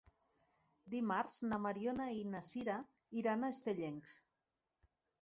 Dimarts na Mariona i na Sira iran a Estellencs.